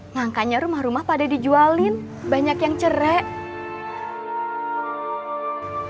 nyangkanya rumah rumah pada dijualin banyak yang cerai